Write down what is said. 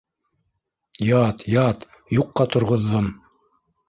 Ят, ят... юҡҡа торғоҙҙом.